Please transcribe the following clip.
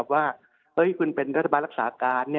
ว่าคุณเป็นรัฐบาลรักษาการ